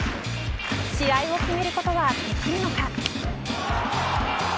試合を決めることはできるのか。